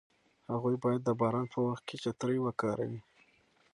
هغوی باید د باران په وخت کې چترۍ وکاروي.